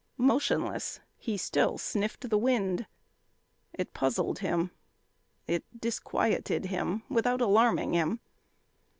Motionless he still sniffed the wind. It puzzled him. It disquieted him without alarming him.